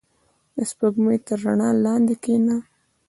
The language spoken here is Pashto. • د سپوږمۍ تر رڼا لاندې کښېنه.